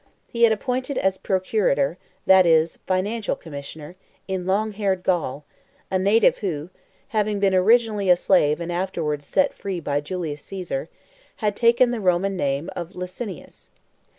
He had appointed as procurator, that is, financial commissioner, in "long haired" Gaul, a native who, having been originally a slave and afterwards set free by Julius Caesar, had taken the Roman name of Licinius.